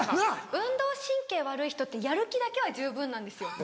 運動神経悪い人ってやる気だけは十分なんですよ。